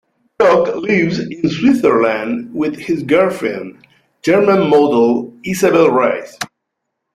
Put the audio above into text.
Glock lives in Switzerland with his girlfriend, German model Isabell Reis.